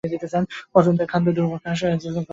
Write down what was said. পছন্দের খাদ্য দূর্বাঘাস, কলমি শাক